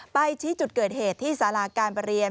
ชี้จุดเกิดเหตุที่สาราการประเรียน